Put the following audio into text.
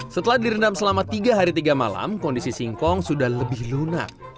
setelah direndam selama tiga hari tiga malam kondisi singkong sudah lebih lunak